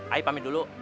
ayah pamit dulu